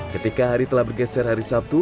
ketika hari telah bergeser hari sabtu